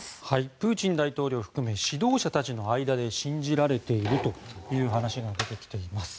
プーチン大統領含め指導者たちの間で信じられているという話が出てきています。